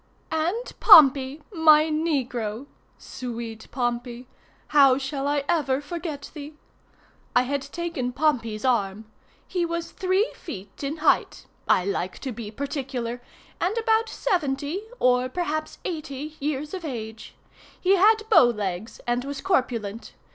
And Pompey, my negro!—sweet Pompey! how shall I ever forget thee? I had taken Pompey's arm. He was three feet in height (I like to be particular) and about seventy, or perhaps eighty, years of age. He had bow legs and was corpulent.